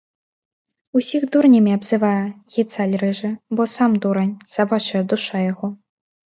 Усіх дурнямі абзывае, гіцаль рыжы, бо сам дурань, сабачая душа яго!